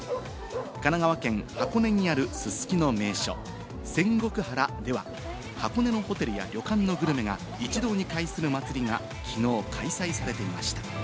神奈川県箱根にあるススキの名所・仙石原では、箱根のホテルや旅館のグルメが一堂に会する祭りがきのう開催されていました。